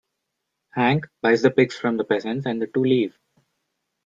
Hank buys the pigs from the peasants and the two leave.